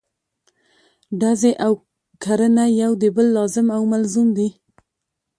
ډزې او کرنه یو د بل لازم او ملزوم دي.